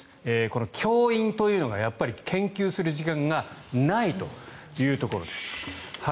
この教員というのがやっぱり研究する時間がないということです。